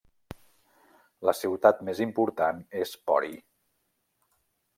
La ciutat més important és Pori.